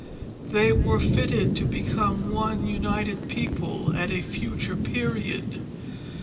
They were fitted to become one united people, at a future period.